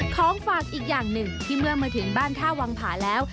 ของฝากอีกอย่างหนึ่งที่เมื่อมาถึงบ้านท่าวังผาแล้ว